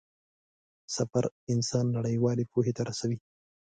سفر انسان نړيوالې پوهې ته رسوي.